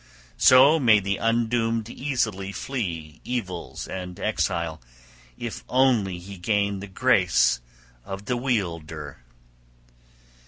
So may the undoomed easily flee evils and exile, if only he gain the grace of The Wielder!